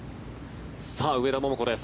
さあ、上田桃子です。